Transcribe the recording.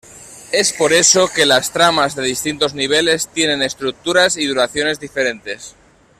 Es por eso que las tramas de distintos niveles tienen estructuras y duraciones diferentes.